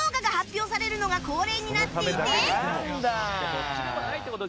どっちでもないって事？